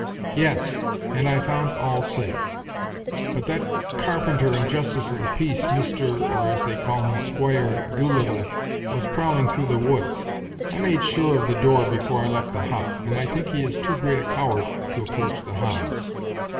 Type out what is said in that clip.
"Yes, and I found all safe; but that carpenter and justice of the peace, Mr., or as they call him, Squire, Doolittle, was prowling through the woods. I made sure of the door before I left the hut, and I think he is too great a coward to approach the hounds."